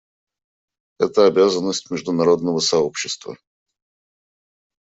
Это — обязанность международного сообщества.